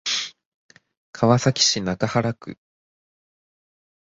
川崎市中原区